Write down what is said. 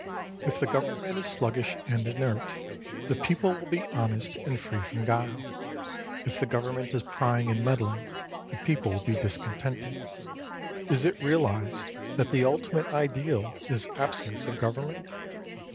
If the government is sluggish and inert, the people will be honest and free from guile. If the government is prying and meddling, the people will be discontented. Is it realised that the ulti mate ideal is absence of government